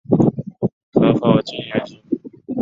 壳口近圆形。